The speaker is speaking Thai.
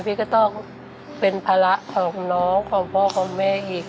พี่ก็ต้องเป็นภาระของน้องของพ่อของแม่อีก